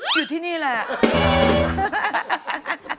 อยู่ที่นี่แหละ